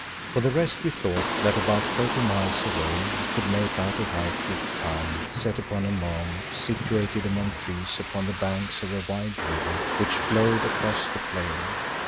For the rest we thought that about thirty miles away we could make out a white roofed town set upon a mound, situated among trees upon the banks of a wide river, which flowed across the plain.